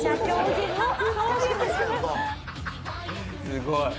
すごい。